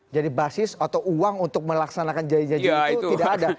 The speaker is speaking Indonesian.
jadi basis atau uang untuk melaksanakan janji janji itu tidak ada